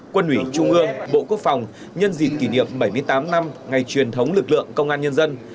quân ủy trung ương bộ quốc phòng nhân dịp kỷ niệm bảy mươi tám năm ngày truyền thống lực lượng công an nhân dân